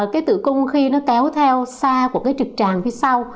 cái tử cung khi nó kéo theo sa của cái trực tràng phía sau